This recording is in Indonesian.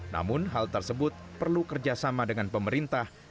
namun hal tersebut perlu kerjasama dengan pemerintah